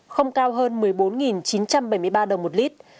không cao hơn một mươi bốn chín trăm bảy mươi ba đồng một lít